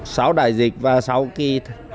sau đại dịch và sau khi thử nghiệm